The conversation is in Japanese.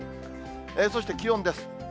そして気温です。